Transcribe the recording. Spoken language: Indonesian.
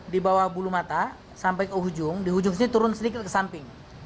di bawah bulu mata sampai ke ujung di ujung sini turun sedikit ke samping